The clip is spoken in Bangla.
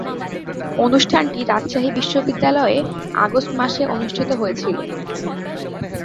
অনুষ্ঠানটি রাজশাহী বিশ্বনিদ্যালয়ে আগস্ট মাসে অনুষ্ঠিত হয়েছিলো।